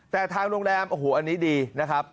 แต่ทางโรงแรมโอ้โหอันนี้ดีนะครับ